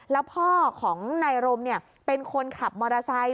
แล้วพ่อของนายรมเป็นคนขับมอเตอร์ไซค